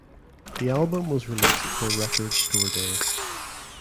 The album was released for Record Store Day.